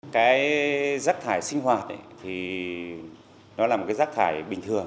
cái rác thải sinh hoạt thì nó là một cái rác thải bình thường